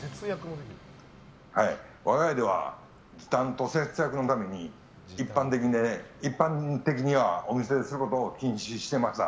我が家では時短と節約のために一般的にはお店ですることを禁止していました。